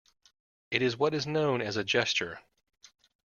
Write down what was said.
It is what is known as a gesture.